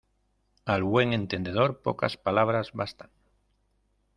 Al buen entendedor, pocas palabras bastan.